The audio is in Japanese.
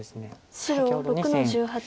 白６の十八。